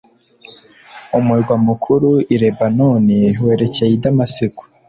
umurwa mukuru i lebanoni werekeye i damasiko